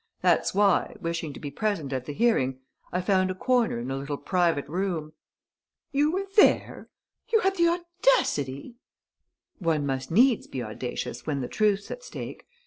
That's why, wishing to be present at the hearing, I found a corner in a little private room...." "You were there? You had the audacity?..." "One must needs be audacious, when the truth's at stake.